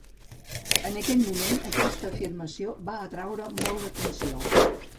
En aquell moment, aquesta afirmació va atreure molt la atenció.